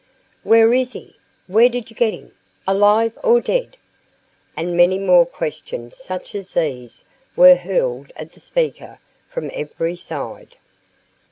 "Where is he?" "Where did you get him?" "Alive or dead?" And many more questions such as these were hurled at the speaker from every side.